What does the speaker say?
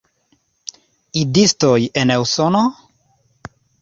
Idistoj en Usono?